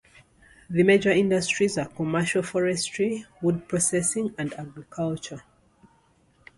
The major industries are commercial forestry, wood processing, and agriculture.